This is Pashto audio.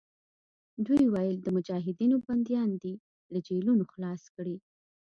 دوی ویل د مجاهدینو بندیان دې له جېلونو خلاص کړي.